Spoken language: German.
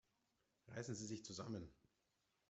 Reißen Sie sich zusammen!